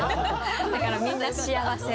だからみんな幸せ。